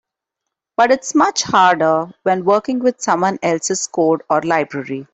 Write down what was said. But it's much harder when working with someone else's code or library.